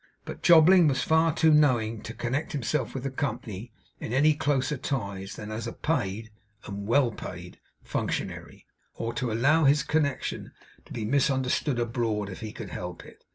But Jobling was far too knowing to connect himself with the company in any closer ties than as a paid (and well paid) functionary, or to allow his connection to be misunderstood abroad, if he could help it.